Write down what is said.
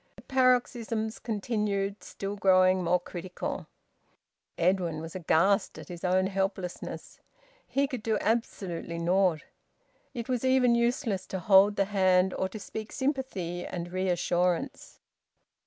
The paroxysms continued, still growing more critical. Edwin was aghast at his own helplessness. He could do absolutely naught. It was even useless to hold the hand or to speak sympathy and reassurance.